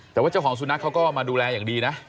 แต่ว่าเจ้าของสุนัขเขาก็มาดูแลอย่างดีนะ